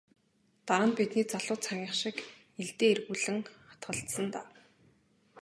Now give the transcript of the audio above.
Дараа нь бидний залуу цагийнх шиг илдээ эргүүлэн хатгалцсан даа.